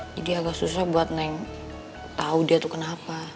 jadi agak susah buat neng tahu dia itu kenapa